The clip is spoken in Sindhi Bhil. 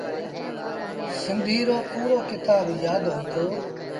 سنڌيٚ رو پورو ڪتآب يآدهوئيٚتو۔